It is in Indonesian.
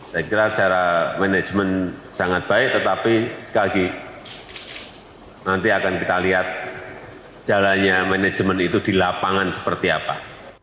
saya kira cara manajemen sangat baik tetapi sekali lagi nanti akan kita lihat jalannya manajemen itu di lapangan seperti apa